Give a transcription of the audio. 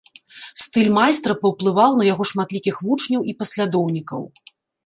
Стыль майстра паўплываў на яго шматлікіх вучняў і паслядоўнікаў.